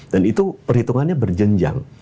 dan itu perhitungannya berjenjang